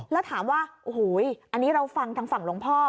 แล้วถามว่าโอ้โหอันนี้เราฟังทางฝั่งหลวงพ่อ